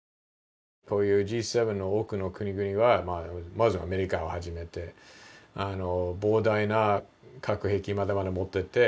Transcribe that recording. こういうＧ７の多くの国々はまずアメリカをはじめとして膨大な核兵器をまだまだ持っていて。